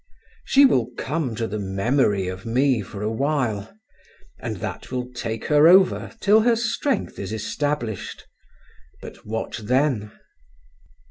She will come to the memory of me for a while, and that will take her over till her strength is established. But what then?"